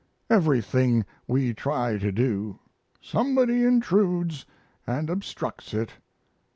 Everything we try to do, somebody intrudes & obstructs it.